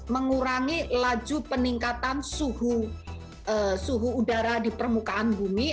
mengurangi laju peningkatan suhu udara di permukaan bumi